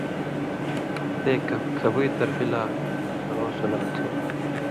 تے کھبُوئ طرفی لا گھُرؤں سُنّت تھُو۔